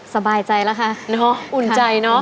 สบายใจแล้วค่ะเนอะอุ่นใจเนอะ